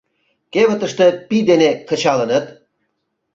Кевытыште пий дене кычалыныт?